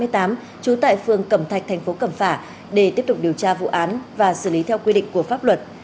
trú tại phường cẩm thạch thành phố cẩm phả để tiếp tục điều tra vụ án và xử lý theo quy định của pháp luật